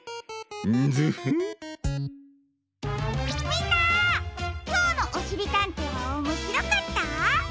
みんなきょうの「おしりたんてい」はおもしろかった？